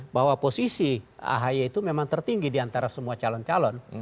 bahwa posisi ahi itu memang tertinggi diantara semua calon calon